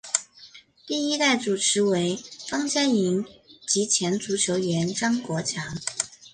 第一代主持为方嘉莹及前足球员张国强。